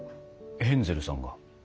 ヘンゼルさんが。